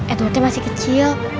edwardnya masih kecil